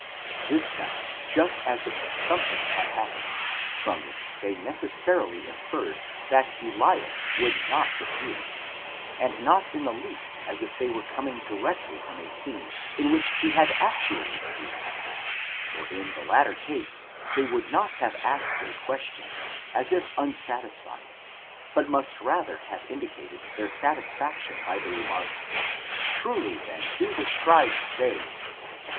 This sounds just as if something had happened, from which they necessarily inferred that Elias would not appear; and not in the least as if they were coming directly from a scene in which he had actually appeared ; for in the latter case they would not have asked a question, as if unsatisfied, but must rather have indicated their satisfaction by the remark, εἰκότως οὖν of γραμματεῖς λέγουσιν κ. τ. Xr. Truly then do the scribes say, etc.